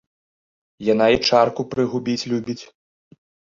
Яна і чарку прыгубіць любіць.